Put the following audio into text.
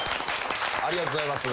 ありがとうございます。